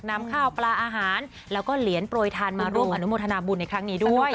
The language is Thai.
นำข้าวปลาอาหารแล้วก็เหรียญโปรยทานมาร่วมอนุโมทนาบุญในครั้งนี้ด้วย